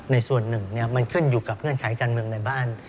ในส่วนหนึ่งมันขึ้นอยู่กับเงื่อนไขการเมืองในบ้าน